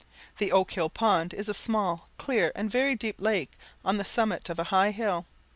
This Oakhill pond is a small, clear, and very deep lake, on the summit of a high hill.